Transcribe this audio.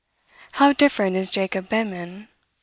How different is Jacob Behmen!